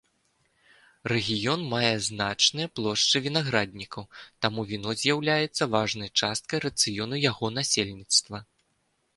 Рэгіён мае значныя плошчы вінаграднікаў, таму віно з'яўляецца важнай часткай рацыёну яго насельніцтва.